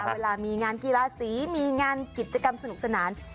เวลามีงานกีฬาสีมีงานกิจกรรมสนุกสนาน